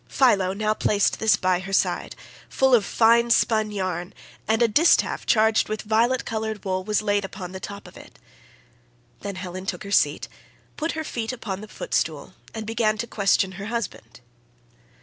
Phylo now placed this by her side, full of fine spun yarn, and a distaff charged with violet coloured wool was laid upon the top of it. Then Helen took her seat, put her feet upon the footstool, and began to question her husband.